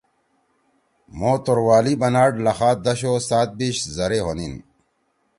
مھو توروالی بناڑ لخا دش او سات بیِش زرے ہونیِن۔